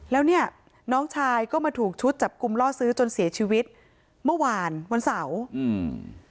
แล้วเนี้ยน้องชายก็มาถูกชุดจับกลุ่มล่อซื้อจนเสียชีวิตเมื่อวานวันเสาร์อืม